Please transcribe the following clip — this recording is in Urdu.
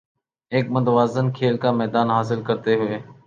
ایک متوازن کھیل کا میدان حاصل کرتے ہوے